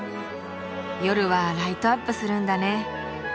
夜はライトアップするんだね。